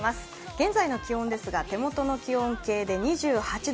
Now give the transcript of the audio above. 現在の気温ですが、手元の気温計で２８度。